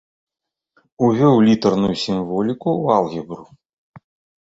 Увёў літарную сімволіку ў алгебру.